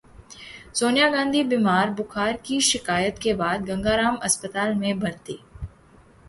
सोनिया गांधी बीमार, बुखार की शिकायत के बाद गंगाराम अस्पताल में भर्ती